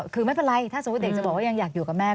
คือไม่เป็นไรถ้าสมมุติเด็กจะบอกว่ายังอยากอยู่กับแม่